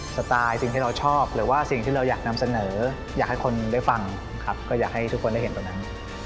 สไตล์สิ่งที่เราชอบหรือว่าสิ่งที่เราอยากนำเสนออยากให้คนได้ฟังครับก็อยากให้ทุกคนได้เห็นตรงนั้น